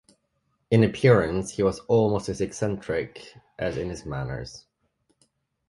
In appearance he was almost as eccentric as in his manners.